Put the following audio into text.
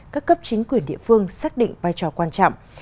các cấp chính quyền địa phương xác định vai trò quan trọng